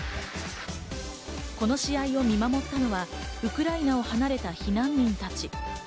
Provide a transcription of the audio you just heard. この試合を見守ったのがウクライナを離れた避難民たち。